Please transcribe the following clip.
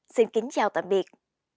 xin kính chào tạm biệt